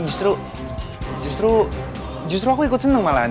justru justru aku ikut seneng malahan